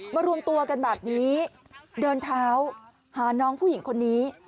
รวมตัวกันแบบนี้เดินเท้าหาน้องผู้หญิงคนนี้